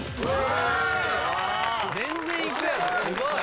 ・すごい。